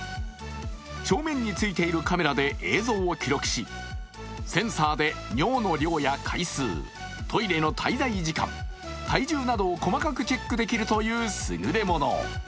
正面についているカメラで映像を記録しセンサーで尿の量や回数、トイレの滞在時間、体重などを細かくチェックできるというすぐれもの。